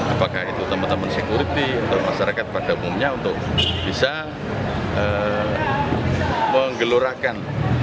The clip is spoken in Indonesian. apakah itu teman teman sekuriti masyarakat pada umumnya untuk bisa menggelurakan